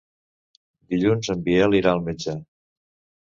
Dilluns en Biel irà al metge.